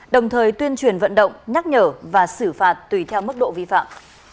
đồng thời tuyên truyền vận động nhắc nhở và xử phạt tùy theo mức độ vi phạm